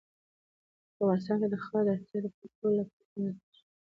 په افغانستان کې د خاوره د اړتیاوو پوره کولو لپاره اقدامات کېږي.